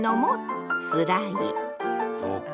そうか。